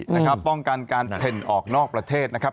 นะครับป้องกันการเพ่นออกนอกประเทศนะครับ